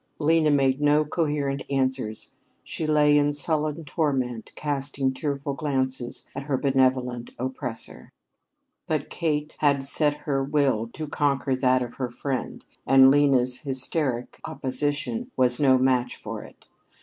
Lena made no coherent answers. She lay in sullen torment, casting tearful glances at her benevolent oppressor. But Kate had set her will to conquer that of her friend and Lena's hysteric opposition was no match for it.